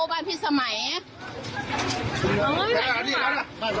บ้านพิษสมัยบ้านพิษสมัยโอ้โหโอ้โอ้บ้านพิษสมัยอ่ะ